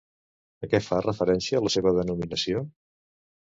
A què fa referència la seva denominació?